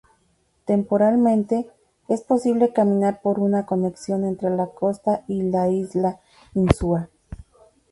Temporalmente, es posible caminar por una conexión entre la costa y la isla Insua.